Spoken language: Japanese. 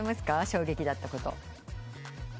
衝撃だったこと。